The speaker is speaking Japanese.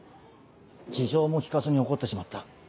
事情も聞かずに怒ってしまった。